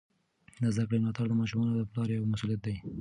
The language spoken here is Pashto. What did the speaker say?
د زده کړې ملاتړ د ماشومانو د پلار یوه مسؤلیت ده.